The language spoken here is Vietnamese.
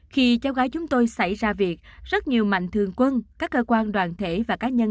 khi cháu gái chúng tôi xảy ra việc rất nhiều mạnh thường quân các cơ quan đoàn thể và cá nhân